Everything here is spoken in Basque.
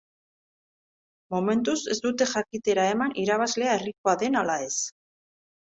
Momentuz ez dute jakitera eman irabazlea herrikoa den ala ez.